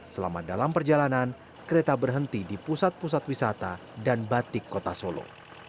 selama dalam perjalanan kereta berhenti di pusat pusat wisata dan batik kota solo